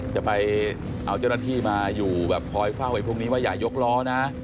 จะเอาเจ้าหน้าที่มาอยู่แบบคอยเฝ้าไอ้พวกนี้ว่าอย่ายกล้อนะ